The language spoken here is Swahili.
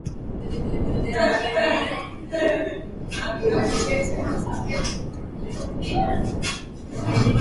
na tumekuwa tukishudia baadhi ya wanasiasa hasa ambao wanatajwa katika kashfa za ufisadi